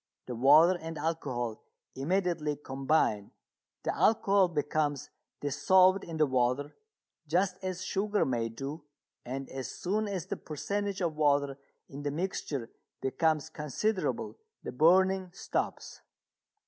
The water and alcohol immediately combine the alcohol becomes dissolved in the water just as sugar may do, and as soon as the percentage of water in the mixture becomes considerable the burning stops.